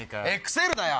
ＸＬだよ！